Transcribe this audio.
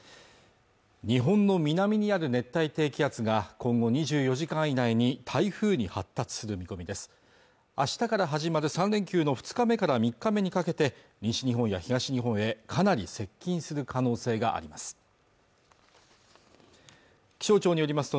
日本の南にある熱帯低気圧が今後２４時間以内に台風に発達する見込みです明日から始まる３連休の２日目から３日目にかけて西日本や東日本へかなり接近する可能性があります